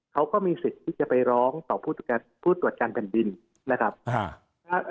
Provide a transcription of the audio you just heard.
เขาก็มีสิทธิ์ที่จะไปร้องต่อผู้ตรวจการแผ่นดินนะครับ